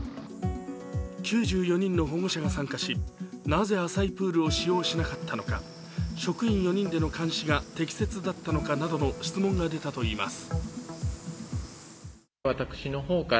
９４人の保護者が参加し、なぜ浅いプールを使用しなかったのか、職員４人での監視が適切だったのかなどの質問が出たといいます。